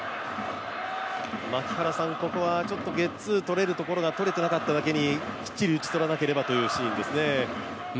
ここはゲッツー取れるところが取れてなかっただけに、きっちり打ち取らなければというシーンですね。